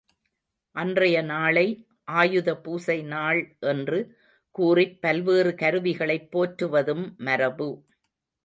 அன்றைய நாளை ஆயுதபூசை நாள் என்று கூறிப் பல்வேறு கருவிகளைப் போற்றுவதும் மரபு.